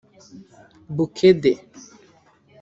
Bukedde